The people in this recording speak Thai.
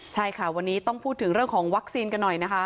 ใช่ค่ะวันนี้ต้องพูดถึงเรื่องของวัคซีนกันหน่อยนะคะ